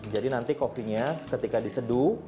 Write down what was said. jadi nanti kofinya ketika diseduh ya